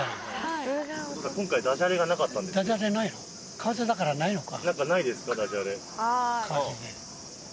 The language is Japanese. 河内だからないのか。